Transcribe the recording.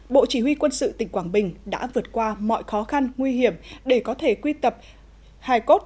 bộ chỉ huy quân sự tỉnh quảng bình đã vượt qua mọi khó khăn nguy hiểm để có thể quy tập hài cốt